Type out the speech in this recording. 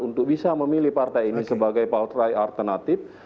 untuk bisa memilih partai ini sebagai partai alternatif